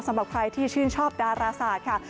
สำหรับใครที่ชื่นชอบดาราศาสตร์ค่ะ